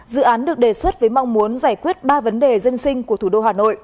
dự án được đề xuất với mong muốn giải quyết ba vấn đề dân sinh của thủ đô hà nội